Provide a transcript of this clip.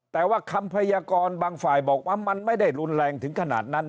แต่ว่าคำพยากรบางฝ่ายบอกว่ามันไม่ได้รุนแรงถึงขนาดนั้น